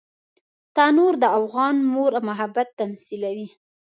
تنور د افغان مور محبت تمثیلوي